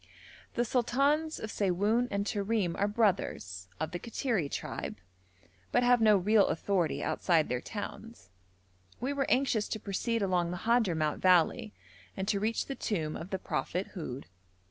The sultans of Siwoun and Terim are brothers, of the Kattiri tribe, but have no real authority outside their towns. We were anxious to proceed along the Hadhramout valley and to reach the tomb of the prophet Houd.